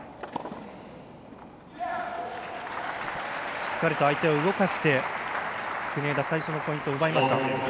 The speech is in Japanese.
しっかりと相手を動かして国枝、最初のポイントを奪いました。